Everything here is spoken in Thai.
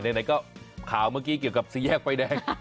ไหนก็ข่าวเมื่อกี้เกี่ยวกับสี่แยกไฟแดง